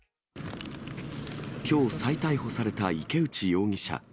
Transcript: きょう再逮捕された池内容疑者。